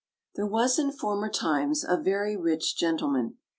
THERE was in former times a very rich gentleman.